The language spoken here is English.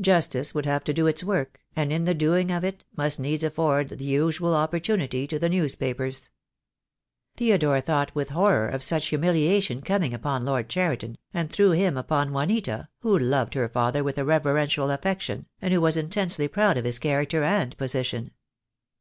Justice would have to do its work, and in the doing of it must needs afford the usual fine opportunity to the newspapers. Theodore thought with horror of such humiliation coming upon Lord Cheriton, and through him upon Juanita, who loved her father with a reverential affection, and who was intensely proud of his character and position.